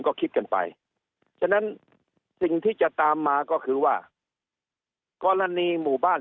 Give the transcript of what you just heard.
ก็คิดกันไปฉะนั้นสิ่งที่จะตามมาก็คือว่ากรณีหมู่บ้าน